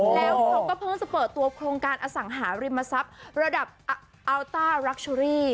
แล้วเขาก็เพิ่งจะเปิดตัวโครงการอสังหาริมทรัพย์ระดับอัลต้ารักเชอรี่